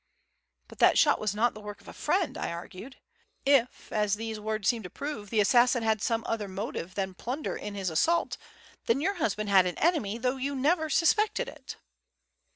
"But that shot was not the work of a friend," I argued. "If, as these words seem to prove, the assassin had some other motive than plunder in his assault, then your husband had an enemy, though you never suspected it."